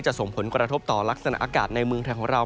ส่งผลกระทบต่อลักษณะอากาศในเมืองไทยของเรา